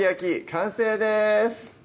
完成です